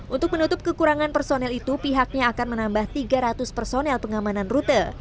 untuk menutup kekurangan personel itu pihaknya akan menambah tiga ratus personel pengamanan rute